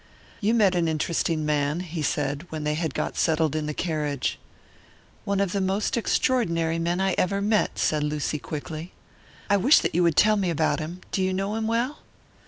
"You met an interesting man," he said, when they had got settled in the carriage. "One of the most extraordinary men I ever met," said Lucy, quickly. "I wish that you would tell me about him. Do you know him well?"